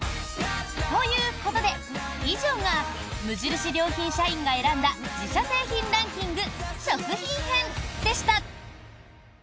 ということで、以上が無印良品社員が選んだ自社製品ランキング食品編でした。